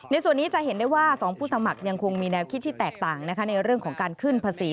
ส่วนนี้จะเห็นได้ว่า๒ผู้สมัครยังคงมีแนวคิดที่แตกต่างในเรื่องของการขึ้นภาษี